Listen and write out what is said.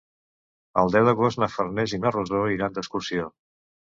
El deu d'agost na Farners i na Rosó iran d'excursió.